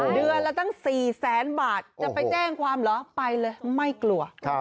เดือนละตั้ง๔แสนบาทจะไปแจ้งความเหรอไปเลยไม่กลัว